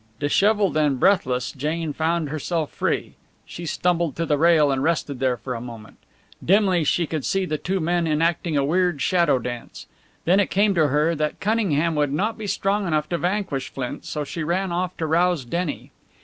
Dishevelled and breathless, Jane found herself free. She stumbled to the rail and rested there for a moment. Dimly she could see the two men enacting a weird shadow dance. Then it came to her that Cunningham would not be strong enough to vanquish Flint, so she ran aft to rouse Denny.